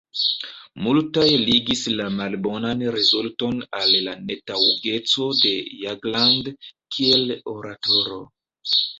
Multaj ligis la malbonan rezulton al la netaŭgeco de Jagland kiel oratoro.